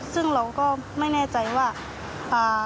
ซึ่งเราก็ไม่แน่ใจว่า